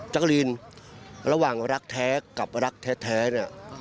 จั๊กลินระหว่างรักแท้กับรักแท้นี่